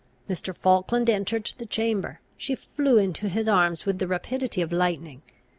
Mr. Falkland entered the chamber. She flew into his arms with the rapidity of lightning.